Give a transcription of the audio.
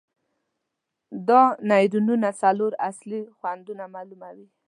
دا نیورونونه څلور اصلي خوندونه معلوموي.